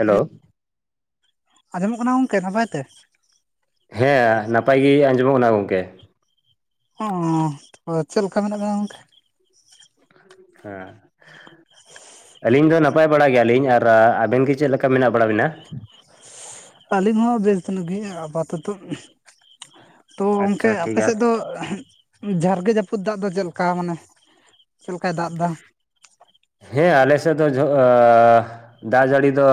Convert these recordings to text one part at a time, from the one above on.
[unintelligible] ᱩᱸ ᱟᱸᱡᱚᱢᱚᱜ ᱠᱟᱱᱟ ᱜᱚᱝᱠᱮ ᱱᱟᱯᱟᱭ ᱛᱮ? ᱦᱮᱸ ᱱᱟᱯᱟᱭ ᱜᱮ ᱟᱸᱡᱚᱢᱚᱜ ᱠᱟᱱᱟ ᱜᱚᱝᱠᱮ ᱾ ᱚᱸᱻ ᱟᱫᱚ ᱪᱮᱫ ᱞᱮᱠᱟ ᱢᱮᱱᱟᱜ ᱵᱮᱱᱟ ᱜᱚᱝᱠᱮ? ᱦᱮᱸ ᱾ ᱟᱹᱞᱤᱧ ᱫᱚ ᱱᱟᱯᱟᱭ ᱵᱟᱲᱟ ᱜᱮᱭᱟᱞᱤᱧ, ᱟᱨ ᱟᱵᱮᱱ ᱜᱮ ᱪᱮᱫ ᱞᱮᱠᱟ ᱢᱮᱱᱟᱜ ᱵᱟᱲᱟ ᱵᱤᱱᱟ‌? ᱟᱹᱞᱤᱧ ᱦᱚᱸ ᱵᱮᱥ ᱫᱟᱱᱚᱜ ᱜᱮ ᱟᱯᱟᱛᱚᱛᱚ ᱾ ᱛᱚ ᱜᱚᱝᱠᱮ ᱟᱪᱪᱷᱟ ᱴᱷᱤᱠ ᱟᱯᱮ ᱜᱮᱭᱟ ᱥᱮᱫ ᱫᱚ [unintelligible] ᱡᱷᱟᱨᱜᱮ ᱡᱟᱹᱯᱩᱫ ᱫᱟᱜ ᱫᱚ ᱪᱮᱫ ᱞᱮᱠᱟ ᱢᱟᱱᱮ ᱪᱮᱫ ᱞᱮᱠᱟᱭ ᱫᱟᱜ ᱫᱟ? ᱦᱮᱸ, ᱟᱞᱮ ᱥᱮᱫ ᱫᱚ ᱡᱷᱚᱸ ᱟᱸᱻ ᱫᱟᱜ ᱡᱟᱹᱲᱤ ᱫᱚ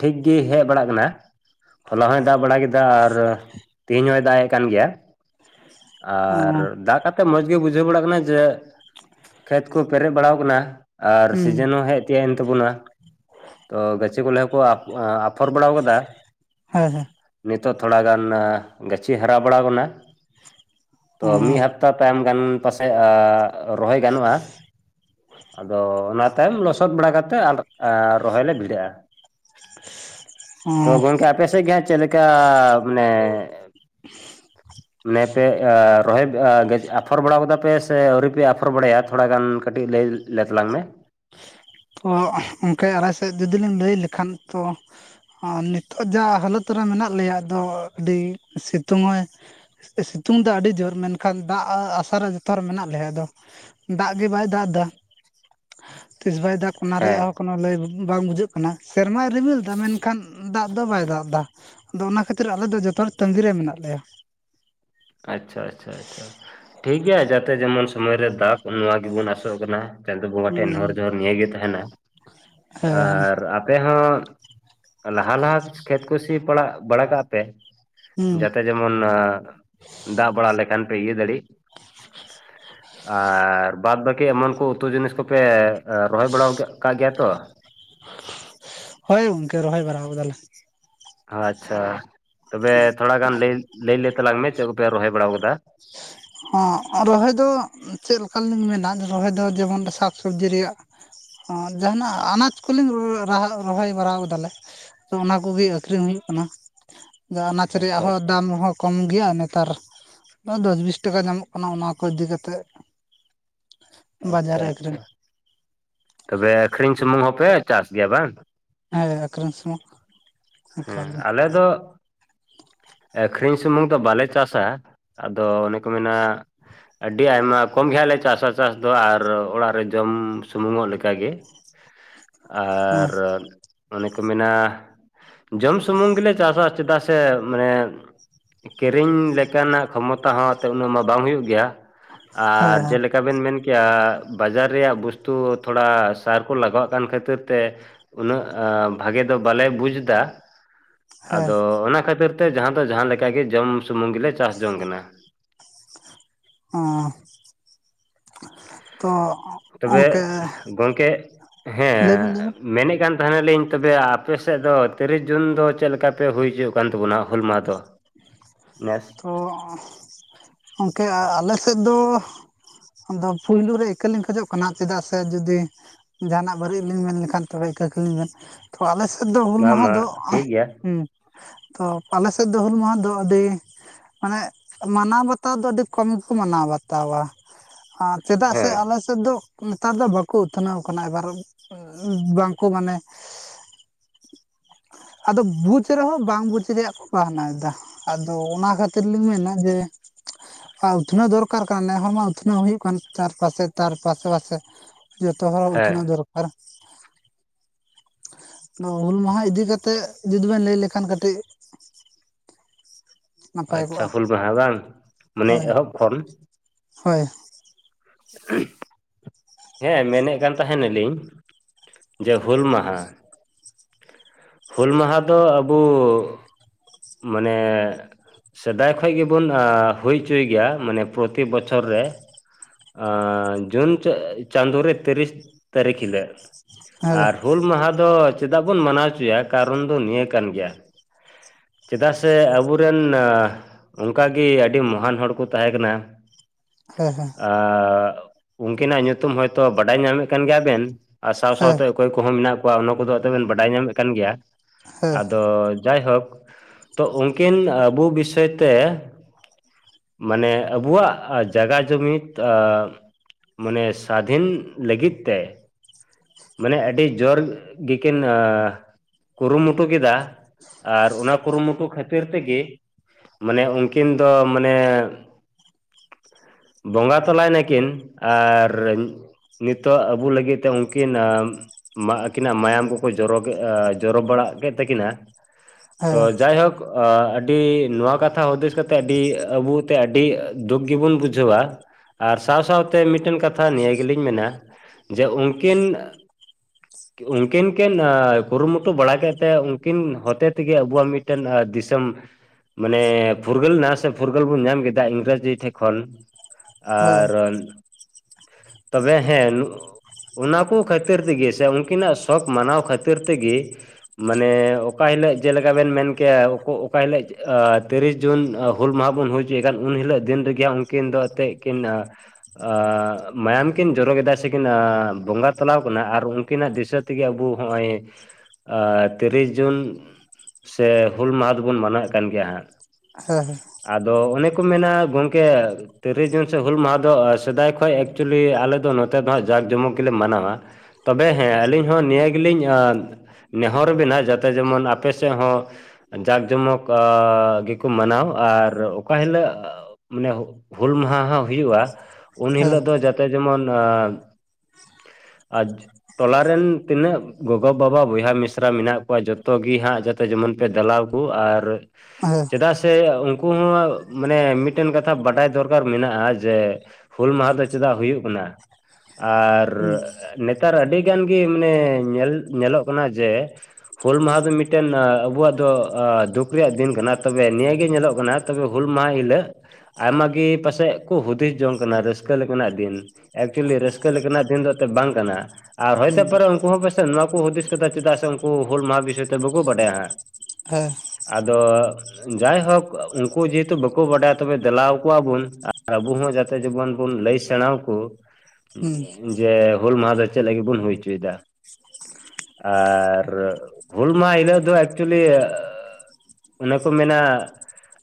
ᱴᱷᱤᱠ ᱜᱮ ᱦᱮᱡ ᱵᱟᱲᱟᱜ ᱠᱟᱱᱟ ᱾ ᱦᱚᱞᱟ ᱦᱚᱭ ᱫᱟᱜ ᱵᱟᱲᱟ ᱠᱮᱫᱟ ᱟᱨ ᱛᱮᱦᱮᱧ ᱦᱚᱭ ᱫᱟᱜ ᱮᱫ ᱠᱟᱱ ᱜᱮᱭᱟ ᱾ ᱚ ᱟᱨ ᱫᱟᱜ ᱠᱟᱛ ᱛᱮᱜ ᱢᱚᱸᱡᱽ ᱜᱮ ᱵᱩᱡᱷᱟᱹᱣ ᱵᱟᱲᱟᱜ ᱠᱟᱱᱟ ᱡᱮ, ᱠᱷᱮᱛ ᱠᱚ ᱯᱮᱨᱮᱡ ᱵᱟᱲᱟ ᱟᱠᱟᱱᱟ, ᱟᱨ ᱦᱩᱸ ᱥᱤᱡᱮᱱ ᱦᱚᱸ ᱦᱮᱡ ᱯᱛᱭᱮᱱ [unintelligible] ᱛᱟᱵᱚᱱᱟ ᱛᱚ ᱜᱟᱪᱷᱤ ᱠᱚ [unintelligible] ᱞᱮ ᱠᱚ ᱟ ᱟᱸ ᱟᱯᱷᱚᱨ ᱵᱟᱲᱟ ᱟᱠᱟᱫᱟ, ᱦᱮᱸ ᱱᱤᱛᱚᱜ ᱛᱷᱚᱲᱟ ᱜᱟᱱ ᱜᱟᱹᱪᱷᱤ ᱦᱟᱨᱟ ᱵᱟᱲᱟᱣ ᱟᱠᱟᱱᱟ ᱾ ᱛᱚ ᱢᱤᱫ ᱦᱮᱸ ᱦᱟᱯᱛᱟ ᱛᱟᱭᱚᱢ ᱜᱟᱱ ᱯᱟᱥᱮᱡ ᱨᱚᱦᱚᱭ ᱜᱟᱱᱚᱜᱼᱟ, ᱟᱫᱚ ᱚᱱᱟ ᱛᱟᱭᱚᱢ ᱞᱚᱥᱚᱫ ᱵᱟᱲᱟ ᱠᱟᱛᱮ ᱨᱚᱦᱚᱭ ᱞᱮ ᱵᱷᱤᱲᱟᱹᱜᱼᱟ ᱾ ᱚ ᱛᱚ ᱚ ᱜᱚᱢᱠᱮ ᱟᱯᱮ ᱥᱮᱫ ᱜᱮ ᱦᱟᱸᱜ ᱪᱮᱫ ᱞᱮᱠᱟ ᱢᱟᱱᱮ [inaudible] ᱢᱟᱱᱮ ᱯᱮ ᱟ ᱨᱚᱦᱚᱭ ᱟ ᱟᱯᱷᱚᱨ ᱵᱟᱲᱟ ᱠᱟᱫᱟ ᱯᱮ ᱥᱮ ᱟᱹᱣᱨᱤ ᱯᱮ ᱟᱯᱷᱚᱨ ᱵᱟᱲᱟᱭᱟ ᱛᱷᱚᱲᱟ ᱜᱟᱱ ᱠᱟᱹᱴᱤᱡ ᱞᱟᱹᱭ ᱞᱮ ᱛᱟᱞᱟᱝ ᱢᱮ ᱾ ᱛᱚ ᱜᱚᱝᱠᱮ ᱟᱞᱮ ᱥᱮᱫ ᱡᱩᱫᱤ ᱞᱤᱧ ᱞᱟᱹᱭ ᱞᱮᱠᱷᱟᱱ ᱛᱚ ᱟᱨ ᱱᱤᱛᱚᱜ ᱡᱟ ᱦᱟᱞᱚᱛ ᱨᱮ ᱢᱮᱱᱟᱜ ᱞᱮᱭᱟ ᱫᱚ ᱟᱹᱰᱤ ᱥᱤᱛᱩᱝ ᱟᱭ ᱥᱤᱛᱩᱝ ᱫᱚ ᱟᱹᱰᱤ ᱡᱳᱨ, ᱢᱮᱱᱠᱷᱟᱱ ᱫᱟᱜ ᱟᱥᱟ ᱨᱮ ᱡᱚᱛᱚ ᱦᱚᱲ ᱢᱮᱱᱟᱜ ᱞᱮᱭᱟ ᱟᱫᱚ-ᱼ ᱫᱟᱜ ᱜᱮ ᱵᱟᱭ ᱫᱟᱜ ᱫᱟ, ᱛᱤᱥ ᱵᱟᱭ ᱫᱟᱜ ᱚᱱᱟ ᱨᱮᱭᱟᱜ ᱦᱮᱸ ᱦᱚᱸ ᱠᱳᱱᱳ ᱞᱟᱹᱭ ᱵᱟᱝ ᱵᱩᱡᱷᱟᱹᱜ ᱠᱟᱱᱟ ᱾ ᱥᱮᱨᱢᱟᱭ ᱨᱤᱢᱤᱞ ᱮᱫᱟ, ᱢᱮᱱᱠᱷᱟᱱ ᱫᱟᱜ ᱫᱚ ᱵᱟᱭ ᱫᱟᱜ ᱮᱫᱟ ᱾ ᱟᱫᱚ ᱚᱱᱟ ᱠᱷᱟᱹᱛᱤᱨ ᱟᱞᱮ ᱫᱚ ᱡᱚᱛᱚ ᱦᱚᱲ ᱛᱟᱸᱜᱤ ᱨᱮ ᱢᱮᱱᱟᱜ ᱞᱮᱭᱟ ᱾ ᱟᱪᱪᱷᱟ ᱟᱪᱪᱷᱟ ᱟᱪᱪᱷᱟ, ᱴᱷᱤᱠ ᱜᱮᱭᱟ ᱡᱟᱛᱮ ᱡᱮᱢᱚᱱ ᱥᱚᱢᱚᱭ ᱨᱮ ᱫᱟᱜ ᱱᱚᱣᱟ ᱜᱮᱵᱚᱱ ᱟᱥᱚᱜ ᱠᱟᱱᱟ ᱾ ᱪᱟᱸᱫᱚ ᱵᱚᱸᱜᱟ ᱦᱩᱸ ᱴᱷᱮᱱ ᱦᱮᱸ ᱱᱮᱨ ᱡᱚᱦᱟᱨ ᱱᱤᱭᱟᱹ ᱜᱮ ᱛᱟᱦᱮᱱᱟ ᱦᱮᱸ ᱟᱨ ᱟᱯᱮ ᱦᱚᱸ ᱞᱟᱦᱟ ᱞᱟᱦᱟ ᱠᱷᱮᱛ ᱠᱚ ᱥᱤ ᱯᱟᱲᱟᱜ ᱵᱟᱲᱟ ᱠᱟᱜ ᱯᱮ, ᱦᱩᱸ ᱡᱟᱛᱮ ᱡᱮᱢᱚᱱ ᱫᱟᱜ ᱵᱟᱲᱟ ᱞᱮᱠᱷᱟᱱ ᱯᱮ ᱤᱭᱟᱹ ᱫᱟᱲᱮᱜ ᱾ [inaudible] ᱟᱨ ᱵᱟᱫ ᱵᱟᱹᱠᱤ ᱮᱢᱚᱱ ᱠᱚ ᱩᱛᱩ ᱡᱤᱱᱤᱥ ᱠᱚᱯᱮ ᱨᱚᱦᱚᱭ ᱵᱟᱲᱟ ᱠᱟᱜ ᱠᱟᱜ ᱜᱮᱭᱟ ᱛᱚ? ᱦᱳᱭ ᱜᱚᱝᱠᱮ, ᱨᱚᱦᱚᱭ ᱵᱟᱲᱟ ᱠᱟᱫᱟᱞᱮ ᱾ ᱟᱪᱪᱷᱟ, ᱛᱚᱵᱮ ᱛᱷᱚᱲᱟ ᱜᱟᱱ ᱞᱟᱹᱭ ᱞᱟᱹᱭ ᱞᱮ ᱛᱟᱞᱟᱝ ᱢᱮ ᱪᱮᱫ ᱠᱚᱯᱮ ᱨᱚᱦᱚᱭ ᱵᱟᱲᱟ ᱟᱠᱟᱫᱟ? [inaudible] ᱦᱮᱸ ᱨᱚᱦᱚᱭ ᱫᱚ ᱪᱮᱫ ᱞᱮᱠᱟ ᱞᱤᱧ ᱢᱮᱱᱟ? ᱨᱚᱦᱚᱭ ᱫᱚ ᱡᱮᱢᱚᱱ ᱥᱟᱠᱥᱚᱵᱽᱡᱤ ᱨᱮᱭᱟᱜ, ᱡᱟᱦᱟᱸᱱᱟᱜ ᱟᱱᱟᱡᱽ ᱠᱚᱞᱤᱧ ᱨᱚᱦᱚᱭ ᱵᱟᱲᱟᱣ ᱟᱠᱟᱫᱟᱞᱮ ᱾ ᱛᱚ ᱚᱱᱟ ᱠᱚᱜᱮ ᱟᱹᱠᱷᱨᱤᱧ ᱦᱩᱭᱩᱜ ᱠᱟᱱᱟ ᱾ ᱟᱫᱚ ᱟᱱᱟᱪ ᱟᱪᱪᱷᱟ ᱨᱮᱭᱟᱜ ᱦᱚᱸ ᱟᱪᱪᱷᱟ ᱫᱟᱢ ᱦᱚᱸ ᱠᱚᱢ ᱜᱮᱭᱟ ᱱᱮᱛᱟᱨ ᱾ [unintelligible] ᱫᱚᱥ ᱵᱤᱥ ᱴᱟᱠᱟ ᱧᱟᱢᱚᱜ ᱠᱟᱱᱟ, ᱚᱱᱟ ᱠᱚ ᱤᱫᱤ ᱠᱟᱛᱮᱜ᱾ ᱵᱟᱡᱟᱨ ᱟᱪᱪᱷᱟ ᱨᱮ ᱟᱹᱠᱷᱨᱤᱧ ᱟᱪᱪᱷᱟ, ᱛᱚᱵᱮ ᱟᱹᱠᱷᱨᱤᱧ ᱥᱩᱢᱩᱝ ᱦᱚᱸᱯᱮ ᱪᱟᱥ ᱜᱮᱭᱟ ᱵᱟᱝ? ᱦᱮᱸ ᱟᱹᱠᱷᱨᱤᱧ ᱥᱩᱢᱩᱝ ᱮᱠᱟᱞ ᱜᱮ ᱾ [unintelligible] ᱫᱚ ᱟᱹᱠᱷᱨᱤᱧ ᱥᱩᱢᱩᱝ ᱫᱚ ᱵᱟᱞᱮ ᱪᱟᱥᱟ, ᱟᱫᱚ ᱚᱱᱮ ᱠᱚ ᱢᱮᱱᱟ? ᱟᱹᱰᱤ ᱟᱭᱢᱟ ᱠᱚᱢ ᱜᱮ ᱦᱟᱸᱜ ᱞᱮ ᱪᱟᱥᱟ ᱾ ᱪᱟᱥ ᱫᱚ ᱟᱨ ᱚᱲᱟᱜ ᱨᱮ ᱡᱚᱢ ᱥᱩᱢᱩᱝᱚᱜ ᱞᱮᱠᱟᱜ ᱜᱮ ᱾ ᱦᱮᱸ ᱟᱻᱨ ᱚᱱᱮ ᱠᱚ ᱢᱮᱱᱟ ᱡᱚᱢ ᱥᱩᱢᱩᱝ ᱜᱮᱞᱮ ᱪᱟᱥᱟ ᱪᱮᱫᱟᱜ ᱥᱮ ᱢᱟᱱᱮ, ᱠᱤᱨᱤᱧ ᱞᱮᱠᱟᱱᱟᱜ ᱠᱷᱚᱢᱚᱛᱟ ᱦᱚᱸ ᱮᱱᱛᱮ ᱩᱱᱟᱹᱜ ᱢᱟ ᱵᱟᱝ ᱦᱩᱭᱩᱜ ᱜᱮᱭᱟ ᱟᱨ ᱦᱮᱸ ᱡᱮᱞᱮᱠᱟ ᱪᱮ ᱞᱮᱠᱟ ᱵᱮᱱ ᱢᱮᱱ ᱠᱮᱜᱼᱟ ᱵᱟᱡᱟᱨ ᱨᱮᱭᱟᱜ ᱵᱚᱥᱛᱩ ᱛᱷᱚᱲᱟ ᱥᱟᱨ ᱠᱚ ᱞᱟᱜᱟᱜ ᱠᱟᱱ ᱠᱷᱟᱹᱛᱤᱨ ᱛᱮ, ᱩᱱᱟᱹᱜ ᱵᱷᱟᱜᱮ ᱫᱚ ᱵᱟᱞᱮ ᱵᱩᱡᱽ ᱫᱟ ᱾ ᱦᱮᱸ ᱟᱫᱚ ᱚᱱᱟ ᱠᱷᱟᱹᱛᱤᱨ ᱛᱮ ᱡᱟᱦᱟᱸ ᱫᱚ ᱡᱟᱦᱟᱸ ᱞᱮᱠᱟ ᱜᱮ ᱡᱚᱢ ᱥᱩᱢᱩᱝ ᱜᱮᱞᱮ ᱪᱟᱥ ᱡᱚᱝ ᱠᱟᱱᱟ ᱾ ᱚᱸᱻ ᱛᱚ? ᱛᱚᱵᱮᱜ ᱜᱚᱝᱠᱮ ᱜᱚᱝᱠᱮᱜ ᱦᱮᱸᱻ ᱞᱟᱹᱭ ᱵᱤᱱ ᱞᱟᱹᱭ ᱵᱤᱱ ᱢᱮᱱᱮᱜ ᱠᱟᱱ ᱛᱟᱦᱮᱸᱱᱟ ᱞᱤᱧ ᱛᱚᱵᱮ ᱟᱯᱮ ᱥᱮᱜ ᱫᱚ ᱛᱤᱨᱤᱥ ᱡᱩᱱ ᱫᱚ ᱪᱮᱫ ᱞᱮᱠᱟ ᱯᱮ ᱦᱩᱭ ᱦᱚᱪᱚ? [inaudible] [inaudible] ᱠᱟᱱ ᱛᱟᱵᱚᱱᱟ ᱦᱩᱞ ᱢᱟᱦᱟ ᱫᱚ ᱱᱮᱥ? ᱚᱸᱜ ᱜᱚᱝᱠᱮ ᱟᱞᱮ ᱥᱮᱫ ᱫᱚ? ᱟᱫᱚ ᱯᱩᱭᱞᱩ ᱨᱮ ᱤᱠᱟᱹ ᱞᱤᱧ ᱠᱷᱚᱡᱚᱜ ᱠᱟᱱᱟ ᱪᱮᱫᱟᱜ ᱥᱮ ᱡᱩᱫᱤ, ᱡᱟᱦᱟᱱᱟᱜ ᱵᱟᱹᱨᱤᱡ ᱞᱤᱧ ᱢᱮᱱ ᱞᱮᱠᱷᱟᱱ ᱛᱚᱵᱮ ᱤᱠᱟᱹ ᱠᱟᱹᱞᱤᱧ ᱵᱮᱱ ᱾ ᱛᱚ ᱟᱞᱮ ᱥᱮᱫ ᱫᱚ ᱦᱩᱞ ᱵᱟᱝ ᱢᱟᱦᱟ ᱢᱟ ᱫᱚ ᱴᱷᱤᱠ ᱜᱮᱭᱟ ᱦᱩᱸ ᱛᱚ ᱟᱞᱮ ᱥᱮᱫ ᱫᱚ ᱦᱩᱞ ᱢᱟᱦᱟ ᱫᱚ ᱟᱹᱰᱤ, ᱢᱟᱱᱮ ᱢᱟᱱᱟᱣ ᱵᱟᱛᱟᱣ ᱫᱚ ᱟᱹᱰᱤ ᱠᱚᱢ ᱜᱮᱠᱚ ᱢᱟᱱᱟᱣ ᱵᱟᱛᱟᱣᱟ᱾ ᱟ [unintelligible] ᱪᱮᱫᱟᱜ ᱥᱮ ᱦᱮᱸ ᱟᱞᱮ ᱥᱮᱫ ᱫᱚ? ᱱᱮᱛᱟᱨ ᱫᱚ ᱵᱟᱠᱚ ᱩᱛᱱᱟᱹᱣ ᱟᱠᱟᱱᱟ ᱮᱵᱟᱨ ᱵᱟᱝᱠᱚ ᱢᱟᱱᱮ, ᱟᱫᱚ ᱵᱩᱡᱽ ᱨᱮᱦᱚᱸ ᱵᱟᱝ ᱵᱩᱡᱽ ᱨᱮᱭᱟᱜ ᱠᱚ ᱵᱟᱦᱱᱟᱭᱮᱫᱟ ᱾ ᱟᱫᱚ ᱚᱱᱟ ᱠᱷᱟᱹᱛᱤᱨ ᱞᱤᱧ ᱢᱮᱱᱟ ᱡᱮ, ᱟᱨ ᱩᱛᱷᱱᱟᱹᱣ ᱫᱚᱨᱠᱟᱨ ᱠᱟᱱᱟ, ᱱᱮ ᱦᱚᱲ ᱢᱟ ᱩᱛᱷᱱᱟᱹᱣ ᱦᱩᱭᱩᱜ ᱠᱟᱱ ᱪᱟᱨ ᱯᱟᱥᱮ ᱛᱟᱨ ᱯᱟᱥᱮ ᱯᱟᱥᱮ ᱾ ᱡᱚᱛᱚ ᱦᱚᱲ ᱦᱮᱸ ᱩᱛᱷᱱᱟᱹᱜ ᱫᱚᱨᱠᱟᱨ ᱾ ᱱᱚᱣᱟ ᱦᱩᱞ ᱢᱟᱦᱟ ᱤᱫᱤ ᱠᱟᱛᱮᱜ ᱡᱩᱫᱤ ᱵᱮᱱ ᱞᱟᱹᱭ ᱞᱮᱠᱷᱟᱱ ᱠᱟᱹᱴᱤᱡ, ᱱᱟᱯᱟᱭ ᱟᱪᱪᱷᱟ ᱠᱚᱜᱼᱟ ᱦᱩᱞ ᱢᱟᱦᱟ ᱵᱟᱝ ᱢᱟᱱᱮ ᱮᱦᱚᱵ ᱠᱷᱚᱱ, ᱦᱚᱭ [unintelligible] ᱦᱮᱸ ᱢᱮᱱᱮᱜ ᱠᱟᱱ ᱛᱟᱦᱮᱸᱱᱟ ᱞᱤᱧ ᱡᱮ ᱦᱩᱞ ᱢᱟᱦᱟ, ᱦᱩᱞ ᱢᱟᱦᱟ ᱫᱚ ᱟᱵᱩ ᱢᱟᱱᱮ? ᱥᱮᱫᱟᱭ ᱠᱷᱚᱡ ᱜᱮᱵᱚᱱ ᱦᱩᱭ ᱚᱪᱚᱭ ᱜᱮᱭᱟ ᱢᱟᱱᱮ ᱯᱨᱚᱛᱤ ᱵᱚᱪᱷᱚᱨ ᱨᱮ, ᱟᱸᱻ ᱡᱩᱱ ᱪᱟᱸᱫᱚ ᱨᱮ ᱛᱤᱨᱤᱥ ᱛᱟᱹᱨᱤᱠᱷ ᱦᱤᱞᱟᱹᱜ ᱾ ᱦᱮᱸ ᱟᱨ ᱦᱩᱞ ᱢᱟᱦᱟ ᱫᱚ ᱪᱮᱫᱟᱜ ᱵᱚᱱ ᱢᱟᱱᱟᱣ ᱦᱚᱪᱚᱭᱟ? ᱠᱟᱨᱚᱱ ᱫᱚ ᱱᱤᱭᱟᱹ ᱠᱟᱱ ᱜᱮᱭᱟ, ᱪᱮᱫᱟᱜ ᱥᱮ ᱟᱵᱩ ᱨᱮᱱ ᱚᱱᱠᱟ ᱜᱮ ᱟᱹᱰᱤ ᱢᱚᱦᱟᱱ ᱦᱚᱲ ᱠᱚ ᱛᱟᱦᱮᱸ ᱠᱟᱱᱟ᱾ ᱦᱮᱸ ᱦᱮᱸ ᱟᱻ ᱩᱱᱠᱤᱱᱟᱜ ᱧᱩᱛᱩᱢ ᱦᱚᱭᱛᱚ ᱵᱟᱰᱟᱭ ᱧᱟᱢᱮᱜ ᱠᱟᱱ ᱜᱮᱭᱟ ᱵᱮᱱ ᱟᱨ ᱥᱟᱶ ᱥᱟᱶ ᱦᱮᱸ ᱛᱮ, ᱚᱠᱚᱭ ᱠᱚᱦᱚᱸ ᱢᱮᱱᱟᱜ ᱠᱚᱣᱟ ᱚᱱᱟ ᱠᱚᱫᱚ ᱵᱮᱱ ᱵᱟᱰᱟᱭ ᱧᱟᱢᱮᱫ ᱠᱟᱱ ᱜᱮᱭᱟ ᱦᱮᱸ ᱟᱫᱚ ᱡᱟᱭᱦᱚᱠ, ᱛᱚ ᱩᱱᱠᱤᱱ ᱟᱹᱵᱩ ᱵᱤᱥᱚᱭ ᱛᱮ, ᱢᱟᱱᱮ ᱟᱵᱚᱣᱟᱜ ᱡᱟᱜᱟ ᱡᱩᱢᱤᱛ ᱟᱻ ᱢᱟᱱᱮ ᱥᱟᱫᱷᱤᱱ ᱞᱟᱹᱜᱤᱫ ᱛᱮ, ᱢᱟᱱᱮ ᱟᱹᱰᱤ ᱡᱳᱨ ᱜᱮᱠᱤᱱ ᱮᱸ ᱠᱩᱨᱩᱢᱩᱴᱩ ᱠᱮᱫᱟ ᱟᱨ ᱚᱱᱟ ᱠᱩᱨᱩᱢᱩᱴᱩ ᱠᱷᱟᱹᱛᱤᱨ ᱛᱮᱜᱮ ᱢᱟᱱᱮ ᱩᱱᱠᱤᱱ ᱫᱚ ᱢᱟᱱᱮ ᱵᱚᱸᱜᱟ ᱛᱟᱞᱟᱭ ᱱᱟᱹᱠᱤᱱ ᱟᱨ ᱱᱤᱛᱚᱜ ᱟᱵᱚ ᱞᱟᱹᱜᱤᱫ ᱛᱮ ᱩᱱᱠᱤᱱ ᱟᱸ ᱢᱟ ᱟᱹᱠᱤᱱᱟᱜ ᱢᱟᱭᱟᱢ ᱠᱚ ᱠᱚ ᱡᱚᱨᱚ ᱡᱚᱨᱚ ᱵᱟᱲᱟᱜ ᱠᱮᱫ ᱛᱟᱹᱠᱤᱱᱟ ᱾ ᱛᱚ ᱦᱮᱸ ᱡᱟᱭᱦᱳᱠ ᱟᱹᱰᱤ ᱱᱚᱣᱟ ᱠᱟᱛᱷᱟ ᱦᱩᱫᱤᱥ ᱠᱟᱛᱮᱜ ᱟᱹᱰᱤ ᱟᱵᱚ ᱛᱮ ᱟᱹᱰᱤ ᱫᱩᱠ ᱜᱮᱵᱚᱱ ᱵᱩᱡᱷᱟᱹᱣᱟ ᱟᱨ ᱥᱟᱶ ᱥᱟᱶ ᱛᱮ ᱢᱤᱫᱴᱮᱱ ᱠᱟᱛᱷᱟ ᱱᱤᱭᱟᱹ ᱜᱮᱞᱤᱧ ᱢᱮᱱᱟ ᱡᱮ ᱩᱱᱠᱤᱱ ᱩᱱᱠᱤᱱ ᱠᱤᱱ ᱠᱩᱨᱩᱢᱩᱴᱩ ᱵᱟᱲᱟ ᱠᱮᱫ ᱛᱮ ᱩᱱᱠᱤᱱ ᱦᱚᱛᱮ ᱛᱮᱜᱮ ᱟᱵᱚᱣᱟᱜ ᱢᱤᱫᱴᱮᱱ ᱫᱤᱥᱚᱢ ᱢᱟᱱᱮ ᱯᱷᱩᱨᱜᱟᱹᱞ ᱱᱟ ᱥᱮ ᱯᱷᱩᱨᱜᱟᱹᱞ ᱵᱚᱱ ᱧᱟᱢ ᱠᱮᱫᱟ ᱤᱝᱨᱟᱹᱡᱤ ᱴᱷᱮᱡ ᱠᱷᱚᱱ ᱾ ᱟᱨ ᱛᱚᱵᱮ ᱦᱮᱸ ᱚᱱᱟ ᱠᱚ ᱠᱷᱟᱹᱛᱤᱨ ᱛᱤᱜᱤ ᱥᱮ ᱩᱱᱠᱤᱱᱟᱜ ᱥᱚᱠᱷ ᱢᱟᱱᱟᱣ ᱠᱷᱟᱹᱛᱤᱨ ᱛᱤᱜᱤ ᱢᱟᱱᱮ ᱚᱠᱟ ᱦᱤᱞᱳᱜ ᱡᱮᱞᱮᱠᱟ ᱵᱮᱱ ᱢᱮᱱ ᱠᱮᱜ, ᱚᱠᱟ ᱦᱤᱞᱳᱜ ᱛᱤᱨᱤᱥ ᱡᱩᱱ ᱦᱩᱞ ᱢᱟᱦᱟ ᱵᱚᱱ ᱦᱩᱭ ᱦᱚᱪᱚᱭᱮᱫ ᱠᱟᱱ ᱩᱱ ᱦᱤᱞᱳᱜ ᱫᱤᱱ ᱨᱮᱜᱮ ᱩᱱᱠᱤᱱ ᱫᱚ ᱮᱛᱮᱜ ᱠᱤᱱ ᱟᱸ ᱢᱟᱭᱟᱢ ᱠᱤᱱ ᱡᱚᱨᱚ ᱠᱮᱫᱟ ᱥᱮᱠᱤᱱ ᱵᱚᱸᱜᱟ ᱛᱟᱞᱟᱣ ᱟᱠᱟᱱᱟ ᱟᱨ ᱩᱱᱠᱤᱱᱟᱜ ᱫᱤᱥᱟᱹ ᱛᱮᱜᱮ ᱟᱵᱚ ᱦᱚᱸᱜᱼᱚᱭ ᱟᱸ ᱛᱤᱨᱤᱥ ᱡᱩᱱ ᱥᱮ ᱦᱩᱞ ᱢᱟᱦᱟ ᱫᱚᱵᱚᱱ ᱢᱟᱱᱟᱣᱮᱫ ᱠᱟᱱ ᱜᱮᱭᱟ ᱦᱟᱸᱜ ᱾ ᱦᱮᱸ ᱦᱮᱸ ᱾ ᱟᱫᱚ ᱚᱱᱮ ᱠᱚ ᱢᱮᱱᱟ ᱜᱚᱝᱠᱮ ᱛᱤᱨᱤᱥ ᱡᱩᱱ ᱥᱮ ᱦᱩᱞ ᱢᱟᱦᱟ ᱫᱚ ᱟᱸ ᱥᱮᱫᱟᱭ ᱠᱷᱚᱡ ᱮᱠᱪᱩᱞᱮᱞᱤ ᱟᱞᱮ ᱫᱚ ᱱᱚᱛᱮ ᱫᱚ ᱦᱟᱸᱜ ᱡᱟᱸᱠ ᱡᱚᱢᱚᱠ ᱜᱮᱞᱮ ᱢᱟᱱᱟᱣᱟ ᱾ ᱛᱚᱵᱮ ᱦᱮᱸ ᱟᱞᱤᱧ ᱦᱚᱸ ᱱᱤᱭᱟᱹ ᱜᱮᱞᱤᱧ ᱟᱸ ᱱᱮᱦᱚᱨᱟ ᱵᱮᱱᱟ ᱡᱟᱛᱮ ᱡᱮᱢᱚᱱ ᱟᱼᱼ ᱟᱯᱮ ᱥᱮᱫ ᱦᱚᱸ ᱡᱟᱠ ᱡᱚᱢᱚᱠ ᱟ ᱜᱮᱠᱚ ᱢᱟᱱᱟᱣ, ᱟᱨ ᱚᱠᱟ ᱦᱤᱞᱳᱜᱼᱼ ᱢᱟᱱᱮ ᱦᱩᱞ ᱢᱟᱦᱟ ᱦᱟᱸᱜ ᱦᱩᱭᱩᱜᱼᱟ, ᱩᱱ ᱦᱤᱞᱟᱹᱜ ᱫᱚ ᱡᱟᱛᱮ ᱡᱮᱢᱚᱱ ᱟᱸ ᱼᱼ ᱟᱡᱽ ᱴᱚᱞᱟ ᱨᱮᱱ ᱛᱤᱱᱟᱹᱜ ᱜᱚᱜᱚ ᱵᱟᱵᱟ ᱵᱚᱭᱦᱟ ᱢᱤᱥᱨᱟ ᱢᱮᱱᱟᱜ ᱠᱚᱣᱟ ᱡᱚᱛᱚ ᱜᱮ ᱦᱟᱸᱜ ᱡᱟᱼᱼ ᱛᱮ ᱡᱮᱢᱚᱱ ᱯᱮ ᱫᱮᱞᱟᱣ ᱠᱚ ᱾ ᱟᱨᱼᱼ ᱦᱮᱸ ᱦᱮᱸ ᱪᱮᱫᱟᱜ ᱥᱮ ᱩᱱᱠᱩ ᱦᱚᱸ ᱢᱟᱱᱮ ᱢᱤᱫᱴᱮᱱ ᱠᱟᱛᱷᱟ ᱵᱟᱰᱟᱭ ᱫᱚᱨᱠᱟᱨ ᱢᱮᱱᱟᱜᱼᱟ ᱡᱮᱼᱼ ᱦᱩᱞ ᱢᱟᱦᱟ ᱫᱚ ᱪᱮᱫᱟᱜ ᱦᱩᱭᱩᱜ ᱠᱟᱱᱟ, ᱟᱨᱼᱼ ᱦᱩᱸ ᱾ ᱱᱮᱛᱟᱨ ᱟᱹᱰᱤ ᱜᱟᱱ ᱜᱮ ᱢᱟᱱᱮ ᱧᱮᱞ ᱧᱮᱞᱚᱜ ᱠᱟᱱᱟ ᱡᱮᱼᱼ ᱦᱩᱞ ᱢᱟᱦᱟ ᱫᱚ ᱢᱤᱫᱴᱮᱱ ᱟᱸ ᱟᱵᱚᱣᱟᱜ ᱫᱚ ᱫᱩᱠ ᱨᱮᱭᱟᱜ ᱫᱤᱱ ᱠᱟᱱᱟ ᱾ ᱛᱚᱵᱮ ᱱᱤᱭᱟᱹᱜᱮ ᱧᱮᱞᱚᱜ ᱠᱟᱱᱟ ᱛᱚᱵᱮ ᱦᱩᱞ ᱢᱟᱦᱟ ᱦᱤᱞᱳᱜᱼᱼ ᱟᱭᱢᱟ ᱜᱮ ᱯᱟᱥᱮᱫ ᱠᱳ ᱦᱩᱫᱤᱥ ᱡᱚᱝ ᱠᱟᱱᱟ ᱨᱟᱹᱥᱠᱟᱹ ᱞᱮᱠᱟᱱᱟᱜ ᱫᱤᱱ ᱾ ᱮᱠᱪᱩᱭᱮᱞᱤ ᱨᱟᱹᱥᱠᱟᱹ ᱞᱮᱠᱟᱱᱟᱜᱼᱼ ᱫᱤᱱ ᱫᱚ ᱮᱛᱮᱫ ᱵᱟᱝ ᱠᱟᱱᱟ ᱾ ᱟᱨ ᱦᱳᱭᱛᱮ ᱦᱩᱸ ᱯᱟᱨᱮ ᱩᱱᱠᱩ ᱦᱚᱸ ᱯᱟᱥᱮᱡ ᱱᱚᱣᱟ ᱠᱚ ᱦᱩᱫᱤᱥ ᱠᱟᱫᱟ ᱪᱮᱫᱟᱜ ᱥᱮ ᱩᱱᱠᱩ ᱦᱩᱞ ᱢᱟᱦᱟ ᱵᱤᱥᱚᱭ ᱛᱮ ᱵᱟᱠᱚ ᱵᱟᱰᱟᱭᱟ ᱦᱟᱸᱜ ᱾ [inaudible] ᱟᱫᱚᱼᱼ ᱡᱟᱭᱦᱳᱠ ᱩᱱᱠᱩ ᱡᱮᱦᱮᱛᱩ ᱵᱟᱠᱚ ᱵᱟᱰᱟᱭᱟ ᱛᱚᱵᱮ ᱫᱮᱞᱟᱣ ᱠᱚᱣᱟ ᱵᱩᱱ ᱟᱨ ᱟᱵᱚ ᱦᱚᱸ ᱡᱟᱛᱮᱼᱼ ᱡᱟᱛᱮ ᱡᱮᱢᱚᱱ ᱵᱩᱱ ᱞᱟᱹᱭ ᱥᱮᱸᱬᱟᱣ ᱠᱳ, ᱦᱩᱸ ᱡᱮ ᱦᱩᱞ ᱢᱟᱦᱟ ᱫᱚ ᱪᱮᱫ ᱞᱟᱹᱜᱤᱫ ᱵᱩᱱ ᱦᱩᱭ ᱦᱚᱪᱚᱭᱫᱟ ᱾ ᱟᱨ ᱦᱩᱞ ᱢᱟᱦᱟ ᱦᱤᱞᱳᱜ ᱫᱚ ᱮᱠᱪᱩᱭᱮᱞᱤᱼᱼ ᱚᱱᱮ ᱠᱚ ᱢᱮᱱᱟᱼᱼ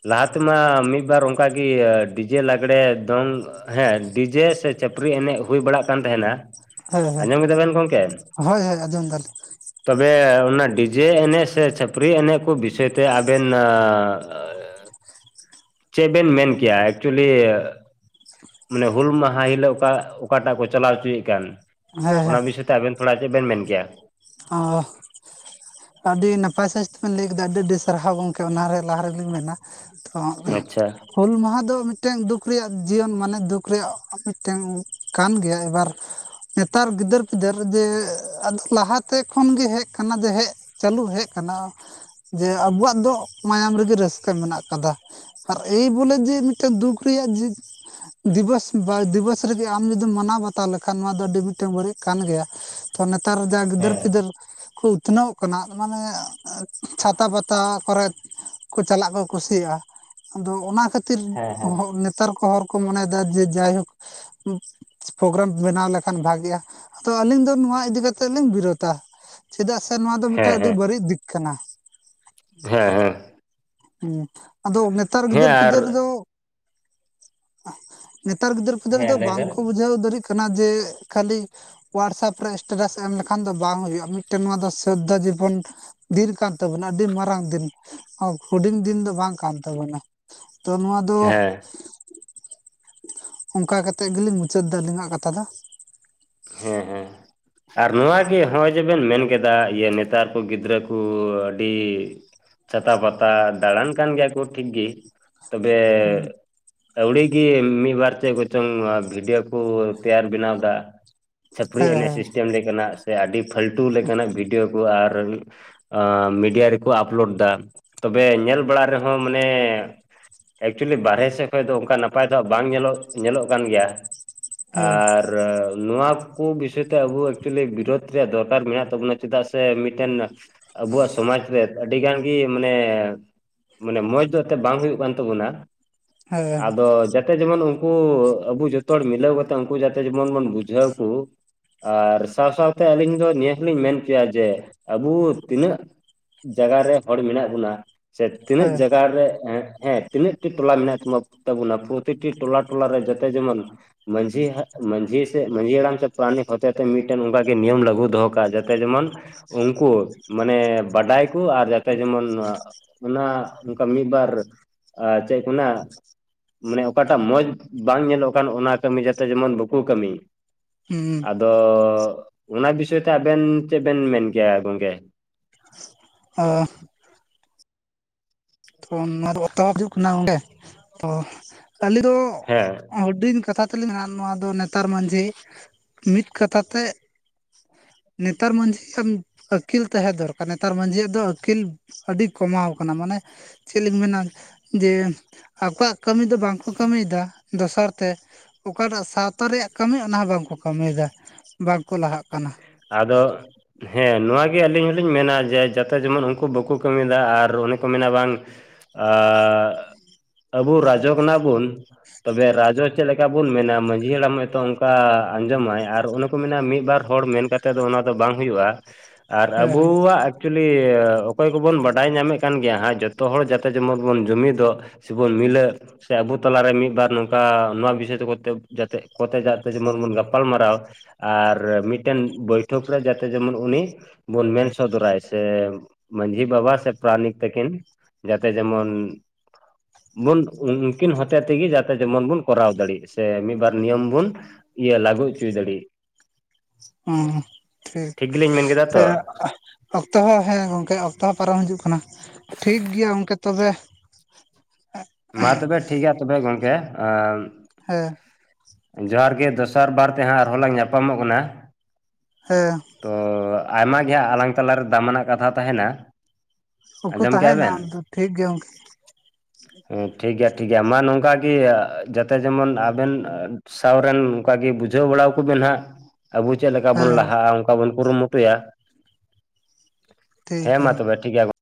ᱞᱟᱦᱟ ᱛᱮᱢᱟ ᱢᱤᱫ ᱵᱟᱨ ᱚᱱᱠᱟ ᱜᱮ ᱰᱤᱡᱮ ᱞᱟᱜᱽᱲᱮ ᱫᱚᱝᱼᱼ ᱦᱮᱸ ᱰᱤᱡᱮ ᱥᱮ ᱪᱟᱹᱯᱨᱤ ᱮᱸᱱᱮᱡ ᱦᱩᱭ ᱵᱟᱲᱟᱜ ᱠᱟᱱ ᱛᱟᱦᱮᱱᱟ ᱦᱮᱸ ᱦᱮᱸ ᱟᱸᱡᱚᱢ ᱠᱮᱫᱟ ᱵᱮᱱ ᱜᱚᱝᱠᱮ? ᱦᱳᱭ ᱦᱳᱭ ᱟᱸᱡᱚᱢ ᱫᱟᱞᱤᱧ ᱛᱚᱵᱮ ᱚᱱᱟ ᱰᱤᱡᱮ ᱮᱸᱱᱮᱡ ᱥᱮ ᱪᱷᱟᱹᱯᱨᱤ ᱮᱸᱱᱮᱡ ᱠᱚ ᱵᱤᱥᱚᱭ ᱛᱮ ᱟᱵᱮᱱ ᱟᱸᱻ ᱼᱼ ᱪᱮᱫ ᱵᱮᱱ ᱢᱮᱱ ᱠᱮᱭᱟ? ᱮᱠᱪᱩᱞᱤᱼᱼ ᱢᱟᱱᱮ ᱦᱩᱞ ᱢᱟᱦᱟ ᱦᱤᱞᱳᱜ ᱚᱠᱟ ᱚᱠᱟᱴᱟᱜ ᱠᱚ ᱪᱟᱞᱟᱣ ᱚᱪᱚᱭᱠᱟᱱ ᱦᱮᱸ ᱚᱱᱟ ᱦᱮᱸ ᱵᱤᱥᱚᱭ ᱼᱼ ᱛᱮ ᱟᱵᱮᱱ ᱛᱷᱚᱲᱟ ᱪᱮᱫ ᱵᱮᱱ ᱢᱮᱱ ᱠᱮᱭᱟ? ᱚᱸᱻ ᱟᱹᱰᱤ ᱱᱟᱯᱟᱭ ᱥᱟᱸᱦᱤᱡ ᱛᱮᱵᱤᱱ ᱞᱟᱹᱭ ᱠᱮᱫᱟ ᱟᱹᱰᱤ ᱟᱹᱰᱤ ᱥᱟᱨᱦᱟᱣ ᱜᱚᱝᱠᱮ ᱚᱱᱟ ᱨᱮ ᱞᱟᱦᱟ ᱨᱮᱜᱤᱧ ᱢᱮᱱᱟ ᱾ ᱛᱚᱼᱼ ᱟᱪᱪᱷᱟ ᱾ ᱦᱩᱞ ᱢᱟᱦᱟ ᱫᱚ ᱢᱤᱫᱴᱮᱱ ᱫᱩᱠ ᱨᱮᱭᱟᱜ ᱡᱤᱭᱚᱱ ᱢᱟᱱᱮ ᱫᱩᱠ ᱨᱮᱭᱟᱜ ᱢᱤᱫᱴᱮᱱ ᱠᱟᱱ ᱜᱮᱭᱟ ᱮᱵᱟᱨᱼᱼ ᱱᱮᱛᱟᱨ ᱜᱤᱫᱟᱹᱨ ᱯᱤᱫᱟᱹᱨ ᱡᱮ, ᱟᱫᱚ ᱞᱟᱦᱟ ᱛᱮ ᱠᱷᱚᱱ ᱜᱮ ᱦᱮᱡ ᱠᱟᱱᱟ ᱡᱮ ᱦᱮᱡᱼᱼ ᱪᱟᱹᱞᱩ ᱦᱮᱡ ᱠᱟᱱᱟ ᱡᱮ ᱟᱵᱩᱣᱟᱜ ᱫᱚ ᱢᱟᱭᱟᱢ ᱨᱮᱜᱮ ᱨᱟᱹᱥᱠᱟᱹ ᱢᱮᱱᱟᱜ ᱠᱟᱫᱟ ᱾ ᱟᱨ ᱮᱭ ᱵᱚᱞᱮ ᱡᱮ ᱢᱤᱫᱴᱮᱡ ᱫᱩᱠ ᱨᱮᱭᱟᱜ ᱡᱮᱼᱼ ᱫᱤᱵᱚᱥ ᱵᱟ ᱫᱤᱵᱚᱥ ᱨᱮᱜᱮ ᱟᱢ ᱡᱩᱫᱤᱢ ᱢᱟᱱᱟᱣ ᱵᱟᱛᱟᱣ ᱞᱮᱠᱷᱟᱱ ᱱᱚᱣᱟ ᱫᱚ ᱟᱹᱰᱤ ᱢᱤᱫᱴᱟᱱ ᱵᱟᱹᱲᱤᱡ ᱠᱟᱱ ᱜᱮᱭᱟ ᱾ ᱛᱚ ᱱᱮᱛᱟᱨ ᱡᱟ ᱜᱤᱫᱟᱹᱨ ᱦᱮᱸ ᱯᱤᱫᱟᱹᱨ ᱠᱚ ᱩᱛᱱᱟᱹᱣᱼᱼ ᱠᱟᱱᱟ ᱢᱟᱱᱮ ᱮᱸ ᱪᱷᱟᱛᱟ ᱯᱟᱛᱟ ᱠᱚᱨᱮ ᱠᱚ ᱪᱟᱞᱟᱜ ᱠᱚ ᱠᱩᱥᱤᱭᱟᱜᱼᱟ ᱾ ᱟᱫᱚ ᱚᱱᱟ ᱠᱷᱟᱹᱛᱤᱨ ᱦᱮᱸ ᱦᱮᱸ ᱦᱚᱸ ᱱᱮᱛᱟᱨ ᱠᱚ ᱦᱚᱲ ᱠᱚ ᱢᱚᱱᱮᱭᱮᱫᱟ ᱡᱮ ᱡᱟᱭᱦᱳᱠᱼᱼ ᱩᱸ ᱯᱨᱳᱜᱨᱟᱢ ᱵᱮᱱᱟᱣ ᱞᱮᱠᱷᱟᱱ ᱵᱷᱟᱜᱮᱜᱼᱟ ᱾ ᱛᱚ ᱟᱹᱞᱤᱧ ᱫᱚ ᱱᱚᱣᱟ ᱤᱫᱤ ᱠᱟᱛᱮᱜ ᱞᱤᱧ ᱵᱤᱨᱳᱫᱟ, ᱪᱮᱫᱟᱜ ᱥᱮ ᱱᱚᱣᱟ ᱫᱚ ᱢᱤᱫᱴᱟᱝ ᱦᱮᱸ ᱟᱹᱰᱤ ᱵᱟᱹᱲᱤᱡ ᱫᱤᱠ ᱠᱟᱱᱟ ᱾ ᱦᱮᱸ ᱦᱮᱸ ᱾ ᱦᱩᱸ, ᱟᱫᱚ ᱱᱮᱛᱟᱨ ᱦᱮᱸ ᱜᱤᱫᱟᱹᱨ ᱟᱨ ᱯᱤᱫᱟᱹᱨ ᱫᱚᱼᱼ ᱱᱮᱛᱟᱨ ᱜᱤᱫᱟᱹᱨ ᱯᱤᱫᱟᱹᱨ ᱦᱮᱸ ᱫᱚ ᱞᱟᱹᱭ ᱵᱮᱱ ᱵᱟᱝᱠᱚ ᱵᱩᱡᱷᱟᱹᱣ ᱫᱟᱲᱮᱜ ᱠᱟᱱᱟ ᱡᱮ ᱠᱷᱟᱹᱞᱤᱼᱼ ᱦᱳᱣᱟᱴᱥᱮᱯ ᱨᱮ ᱮᱥᱴᱮᱴᱟᱥ ᱮᱢ ᱞᱮᱠᱷᱟᱱ ᱫᱚ ᱵᱟᱝ ᱦᱩᱭᱩᱜᱼᱟ ᱢᱤᱫᱴᱮᱱ ᱱᱚᱣᱟ ᱫᱚ ᱥᱳᱫᱫᱷᱳ ᱡᱤᱵᱚᱱᱼᱼ ᱫᱤᱱ ᱠᱟᱱ ᱛᱟᱵᱚᱱᱟ, ᱟᱹᱰᱤ ᱢᱟᱨᱟᱝ ᱫᱤᱱ ᱾ ᱦᱩᱰᱤᱧ ᱫᱤᱱ ᱫᱚ ᱵᱟᱝ ᱠᱟᱱ ᱛᱟᱵᱚᱱᱟ ᱾ ᱛᱚ ᱱᱚᱣᱟ ᱫᱚ ᱦᱮᱸ ᱚᱝᱠᱟ ᱠᱟᱛᱮᱫ ᱜᱮᱞᱤᱧ ᱢᱩᱪᱟᱹᱫ ᱫᱟ ᱟᱹᱞᱤᱧᱟᱜ ᱠᱟᱛᱷᱟ ᱫᱚ ᱾ ᱦᱮᱸ ᱦᱮᱸ ᱾ ᱟᱨ ᱱᱚᱣᱟ ᱜᱮ ᱦᱚᱜᱼᱚᱭ ᱡᱮᱵᱮᱱ ᱢᱮᱱ ᱠᱮᱫᱟ ᱤᱭᱟᱹ ᱱᱮᱛᱟᱨ ᱠᱚ ᱜᱤᱫᱽᱨᱟᱹ ᱠᱚ ᱟᱹᱰᱤ ᱪᱷᱟᱛᱟ ᱯᱟᱛᱟ ᱫᱟᱬᱟᱱ ᱠᱟᱱ ᱜᱮᱭᱟ ᱠᱚ ᱴᱷᱤᱠ ᱜᱮ, ᱛᱚᱵᱮ ᱟᱹᱣᱲᱤᱜᱤ ᱢᱤᱫ ᱵᱟᱨ ᱪᱮᱫ ᱠᱚᱪᱚᱝ ᱵᱷᱤᱰᱭᱳ ᱠᱚ ᱛᱮᱭᱟᱨ ᱵᱮᱱᱟᱣ ᱫᱟ ᱾ ᱪᱟᱹᱯᱨᱤ ᱮᱱᱮᱡ ᱦᱮᱸ ᱥᱤᱥᱴᱮᱢ ᱞᱮᱠᱟᱱᱟᱜ ᱥᱮ ᱟᱹᱰᱤ ᱯᱷᱟᱞᱛᱩ ᱞᱮᱠᱟᱱᱟᱜ ᱵᱷᱤᱰᱭᱳ ᱠᱚ ᱟᱨ ᱮᱸ ᱢᱤᱰᱤᱭᱟ ᱨᱮᱠᱚ ᱟᱯᱞᱳᱰ ᱫᱟ ᱾ ᱛᱚᱵᱮ ᱧᱮᱞ ᱵᱟᱲᱟ ᱨᱮᱦᱚᱸ ᱢᱟᱱᱮ ᱮᱠᱪᱩᱮᱞᱤ ᱵᱟᱨᱦᱮ ᱥᱮᱫ ᱠᱷᱚᱡ ᱫᱚ ᱚᱱᱠᱟ ᱱᱟᱯᱟᱭ ᱫᱚ ᱵᱟᱝ ᱧᱮᱞᱚᱜ ᱧᱮᱞᱚᱜ ᱠᱟᱱ ᱜᱮᱭᱟ ᱾ ᱦᱮᱸ ᱟᱨᱻ ᱱᱚᱣᱟ ᱠᱚ ᱵᱤᱥᱚᱭ ᱛᱮ ᱟᱵᱚ ᱮᱠᱪᱩᱣᱮᱞᱤ ᱵᱤᱨᱳᱫᱷ ᱨᱮᱭᱟᱜ ᱫᱚᱨᱠᱟᱨ ᱢᱮᱱᱟᱜ ᱛᱟᱵᱚᱱᱟ ᱪᱮᱫᱟᱜ ᱥᱮ ᱢᱤᱫᱴᱮᱱ ᱟᱵᱚᱣᱟᱜ ᱥᱚᱢᱟᱡᱽ ᱨᱮ ᱟᱹᱰᱤ ᱜᱟᱱ ᱜᱮ ᱢᱟᱱᱮ ᱢᱟᱱᱮ ᱢᱚᱸᱡᱽ ᱫᱚ ᱮᱛᱮᱜ ᱵᱟᱝ ᱦᱩᱭᱩᱜ ᱠᱟᱱ ᱛᱟᱵᱚᱱᱟ ᱾ ᱦᱮᱸ ᱟᱫᱚ ᱡᱟᱛᱮ ᱡᱮᱢᱚᱱ ᱩᱱᱠᱩ ᱟᱵᱚ ᱡᱚᱛᱚ ᱦᱚᱲ ᱢᱤᱞᱟᱹᱣ ᱠᱟᱛᱮ ᱩᱱᱠᱩ ᱡᱟᱛᱮ ᱡᱮᱢᱚᱱ ᱵᱚᱱ ᱵᱩᱡᱷ ᱡᱷᱟᱹᱣ ᱠᱚ ᱾ ᱟᱨ ᱥᱟᱶ ᱥᱟᱶᱛᱮ ᱟᱹᱞᱤᱧ ᱫᱚ ᱱᱤᱭᱟᱹ ᱦᱚᱸ ᱞᱤᱧ ᱢᱮᱱ ᱠᱮᱭᱟ ᱡᱮ ᱟᱵᱚ ᱛᱤᱱᱟᱹᱜ ᱡᱟᱜᱟ ᱨᱮ ᱦᱚᱲ ᱢᱮᱱᱟᱜ ᱵᱚᱱᱟ ᱥᱮ ᱛᱤᱱᱟᱹᱜ ᱡᱟᱜᱟ ᱨᱮ ᱮᱸᱜ ᱮᱸ ᱛᱤᱱᱟᱹᱜ ᱴᱤ ᱴᱚᱞᱟ ᱢᱮᱱᱟᱜ ᱛᱟ ᱛᱟᱵᱚᱱᱟ ᱯᱨᱚᱛᱤᱴᱤ ᱴᱚᱞᱟ ᱴᱚᱞᱟᱨᱮ ᱡᱟᱛᱮ ᱡᱮᱢᱚᱱ ᱢᱟᱺᱡᱷᱤ ᱦᱟ, ᱢᱟᱺᱡᱷᱤ ᱢᱟᱺᱡᱷᱤ ᱦᱟᱲᱟᱢ ᱥᱮ ᱯᱨᱟᱱᱤᱠ ᱦᱚᱛᱮ ᱛᱮ ᱢᱤᱫᱴᱮᱱ ᱚᱱᱠᱟ ᱜᱮ ᱱᱤᱭᱚᱢ ᱞᱟᱹᱜᱩ ᱫᱚᱦᱚ ᱠᱟᱜ ᱡᱟᱛᱮ ᱡᱮᱢᱚᱱ ᱩᱱᱠᱩ ᱢᱟᱱᱮ ᱵᱟᱰᱟᱭ ᱠᱚ ᱟᱨ ᱡᱟᱛᱮ ᱡᱮᱢᱚᱱ ᱾ ᱚᱱᱟ ᱚᱱᱠᱟ ᱢᱤᱫ ᱵᱟᱨ ᱪᱮᱫ ᱠᱚ ᱢᱮᱱᱟ ᱢᱟᱱᱮ ᱚᱠᱟᱴᱟᱜ ᱢᱚᱸᱡᱽ ᱵᱟᱝ ᱧᱮᱞᱚᱜ ᱠᱟᱱ ᱚᱱᱟ ᱠᱟᱹᱢᱤ ᱡᱟᱛᱮ ᱡᱮᱢᱚᱱ ᱵᱟᱠᱚ ᱠᱟᱹᱢᱤ ᱾ ᱦᱩᱸ ᱾ ᱟᱫᱚ ᱚᱱᱟ ᱵᱤᱥᱚᱭ ᱛᱮ ᱟᱵᱮᱱ ᱪᱮᱫ ᱵᱮᱱ ᱢᱮᱱ ᱠᱮᱭᱟ ᱜᱚᱝᱠᱮ? ᱟᱸ ᱛᱚ ᱱᱚᱣᱟ ᱫᱚ ᱚᱛᱚᱵ ᱦᱤᱡᱩᱜ ᱠᱟᱱᱟ ᱚᱸᱰᱮ [unintelligible] ᱛᱚ ᱟᱞᱮ ᱫᱚ ᱦᱮᱸ ᱦᱩᱰᱤᱧ ᱠᱟᱛᱷᱟ ᱛᱮ ᱞᱤᱧ ᱱᱚᱣᱟ ᱫᱚ ᱱᱮᱛᱟᱨ ᱢᱟᱺᱡᱷᱤ ᱢᱤᱫ ᱠᱟᱛᱷᱟ ᱛᱮ ᱱᱮᱛᱟᱨ ᱢᱟᱺᱡᱷᱤᱭᱟᱜ ᱟᱹᱠᱤᱞ ᱛᱟᱦᱮᱸ ᱫᱚᱨᱠᱟᱨ ᱱᱮᱛᱟᱨ ᱢᱟᱺᱡᱷᱤᱭᱟᱜ ᱫᱚ ᱟᱹᱠᱤᱞ ᱟᱹᱰᱤ ᱠᱚᱢᱟᱣ ᱠᱟᱱᱟ ᱾ ᱢᱟᱱᱮ ᱪᱮᱫ ᱞᱤᱧ ᱢᱮᱱᱟ ᱡᱮ ᱟᱠᱚᱣᱟᱜ ᱠᱟᱹᱢᱤ ᱫᱚ ᱵᱟᱝᱠᱚ ᱠᱟᱹᱢᱤᱭᱮᱫᱟ ᱫᱚᱥᱟᱨ ᱛᱮ ᱚᱠᱟᱴᱟᱜ ᱥᱟᱶᱛᱟ ᱨᱮᱭᱟᱜ ᱠᱟᱹᱢᱤ ᱚᱱᱟ ᱦᱚᱸ ᱵᱟᱝᱠᱚ ᱠᱟᱹᱢᱤᱭᱮᱫᱟ ᱵᱟᱝ ᱠᱚ ᱞᱟᱦᱟᱜ ᱠᱟᱱᱟ ᱟᱫᱚ ᱾ ᱦᱮᱸ ᱱᱚᱣᱟᱜᱮ ᱟᱹᱞᱤᱧ ᱦᱚᱞᱤᱧ ᱢᱮᱱᱟ ᱡᱮ ᱡᱟᱛᱮ ᱡᱮᱢᱚᱱ ᱩᱱᱠᱩ ᱵᱟᱠᱚ ᱠᱟᱹᱢᱤᱭᱮᱫᱟ ᱟᱨ ᱚᱱᱮ ᱠᱚ ᱢᱮᱱᱟ ᱵᱟᱝᱼᱼ ᱟᱨ, ᱟᱵᱩ ᱨᱟᱡᱡᱚ ᱠᱷᱚᱱᱟᱜ ᱵᱩᱱᱼᱼ ᱛᱚᱵᱮ ᱨᱟᱡᱡᱚ ᱪᱮᱫ ᱞᱮᱠᱟ ᱵᱚᱱ ᱢᱮᱱᱟ ᱢᱟᱺᱡᱷᱤ ᱦᱟᱲᱟᱢ ᱱᱤᱛᱚᱜ ᱚᱱᱠᱟ ᱟᱸᱡᱚᱢᱟᱭ, ᱟᱨ ᱚᱱᱮ ᱠᱚ ᱢᱮᱱᱟ ᱢᱤᱫ ᱵᱟᱨᱼᱼ ᱦᱚᱲ ᱢᱮᱱ ᱠᱟᱛᱮ ᱫᱚ ᱚᱱᱟ ᱫᱚ ᱵᱟᱝ ᱦᱩᱭᱩᱜᱼᱟ, ᱟᱨ ᱦᱮᱸ ᱟᱵᱩᱣᱟᱜᱼᱼ ᱮᱠᱪᱚᱞᱤ ᱚᱠᱚᱭ ᱠᱚᱵᱚᱱ ᱵᱟᱰᱟᱭ ᱧᱟᱢᱮ ᱠᱟᱱ ᱜᱮᱭᱟ ᱦᱟᱸᱜ, ᱡᱚᱛᱚ ᱦᱚᱲ ᱡᱟᱛᱮ ᱡᱮᱢᱚᱱ ᱵᱚᱱ ᱡᱩᱢᱤᱫᱚᱜᱼᱼ ᱥᱮᱵᱚᱱ ᱢᱤᱞᱟᱹᱜᱼᱼ ᱥᱮ ᱟᱵᱳ ᱛᱟᱞᱟ ᱨᱮ ᱢᱤᱫ ᱵᱟᱨ ᱱᱚᱝᱠᱟ ᱱᱚᱣᱟ ᱵᱤᱥᱚᱭ ᱛᱮ ᱡᱟᱛᱮ, ᱠᱚᱛᱮ ᱡᱟᱛᱮ ᱡᱮᱢᱚᱱ ᱵᱚᱱ ᱜᱟᱯᱟᱞ ᱢᱟᱨᱟᱣᱼᱼ ᱟᱨ ᱢᱤᱫ ᱴᱮᱱ ᱵᱳᱭᱴᱷᱚᱠ ᱨᱮ ᱡᱟᱛᱮ ᱡᱮᱢᱚᱱ ᱩᱱᱤᱼᱼ ᱵᱚᱱ ᱢᱮᱱ ᱥᱚᱫᱚᱨᱟᱭ ᱥᱮ, ᱢᱟᱺᱡᱷᱤ ᱵᱟᱵᱟ ᱥᱮ ᱯᱟᱨᱟᱱᱤᱠ ᱛᱮᱠᱤᱱᱼᱼ ᱡᱟᱛᱮ ᱡᱮᱢᱚᱱᱼᱼ ᱵᱚᱱ ᱩᱱᱠᱤᱱ ᱦᱚᱛᱮ ᱛᱮᱜᱮ ᱡᱟᱛᱮ ᱡᱮᱢᱚᱱ ᱵᱚᱱ ᱠᱚᱨᱟᱣ ᱫᱟᱲᱮᱜ, ᱥᱮ ᱢᱤᱫ ᱵᱟᱨ ᱱᱤᱭᱚᱢ ᱵᱚᱱᱼᱼ ᱤᱭᱟᱹ ᱞᱟᱜᱩ ᱪᱩᱭ ᱫᱟᱲᱮᱼᱼ ᱦᱩᱸ ᱴᱷᱤᱠ, ᱜᱮᱞᱤᱧ ᱢᱮᱱ ᱠᱮᱫᱟ ᱥᱮ ᱛᱚ [unintelligible] ᱚᱠᱛᱚ ᱦᱚᱸ ᱦᱮᱸ ᱜᱚᱝᱠᱮ ᱚᱠᱛᱚ ᱦᱚᱸ ᱯᱟᱨᱚᱢ ᱦᱤᱡᱩᱜ ᱠᱟᱱᱟ, ᱴᱷᱤᱠ ᱜᱮᱭᱟ ᱜᱚᱝᱠᱮ ᱛᱚᱵᱮ ᱾ ᱢᱟ ᱛᱚᱵᱮ ᱴᱷᱤᱠ ᱜᱮᱭᱟ ᱛᱚᱵᱮ ᱜᱚᱝᱠᱮ, ᱟᱼᱼ ᱦᱮᱸ ᱾ ᱡᱚᱦᱟᱨ ᱜᱮ ᱫᱚᱥᱟᱨ ᱵᱟᱨ ᱛᱮᱦᱟᱸᱜ ᱟᱨᱦᱚᱸ ᱞᱟᱝ ᱧᱟᱯᱟᱢᱚᱜ ᱠᱟᱱᱟ ᱾ ᱦᱮᱸ ᱾ ᱛᱚ, ᱟᱭᱢᱟ ᱜᱮ ᱦᱟᱸᱜ ᱟᱞᱟᱝ ᱛᱟᱞᱟ ᱨᱮ ᱫᱟᱢᱟᱱᱟᱜ ᱠᱟᱛᱷᱟ ᱛᱟᱸᱦᱮᱱᱟ ᱾ ᱵᱟᱠᱩ ᱛᱟᱦᱮᱱᱟ ᱟᱫᱚ ᱴᱷᱤᱠ ᱜᱮᱭᱟ ᱾ ᱦᱮᱸ ᱴᱷᱤᱠ ᱜᱮᱭᱟ ᱴᱷᱤᱠ ᱜᱮᱭᱟ, ᱢᱟ ᱱᱚᱝᱠᱟᱜᱤ ᱡᱟᱛᱮ ᱡᱮᱢᱚᱱ ᱟᱵᱮᱱᱼᱼ ᱥᱟᱶ ᱨᱮᱱ ᱱᱚᱝᱠᱟ ᱜᱮ ᱵᱩᱡᱷᱟᱹᱣ ᱵᱟᱲᱟ ᱠᱚᱵᱤᱱ ᱦᱟᱸᱜ ᱾ ᱟᱵᱚ ᱪᱮᱫ ᱞᱮᱠᱟ ᱵᱚᱱ ᱦᱮᱸ ᱞᱟᱦᱟᱜᱼᱟ, ᱚᱱᱠᱟ ᱵᱚᱱ ᱠᱩᱨᱩᱢᱩᱴᱩᱭᱟ ᱾ ᱴᱷᱤᱠ ᱦᱮᱸ, ᱜᱮᱭᱟ ᱢᱟ ᱛᱚᱵᱮ ᱴᱷᱤᱠ ᱜᱮᱭᱟ ᱜᱚ ᱾